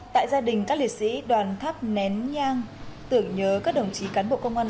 tại gia đình các liệt sĩ đoàn thắp nén nhang tưởng nhớ các đồng chí cán bộ công an